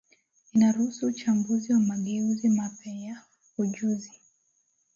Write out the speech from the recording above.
inaruhusu uchambuzi wa mageuzi mapya ya ujuzi